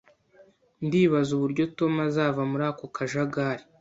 Ndibaza uburyo Tom azava muri ako kajagari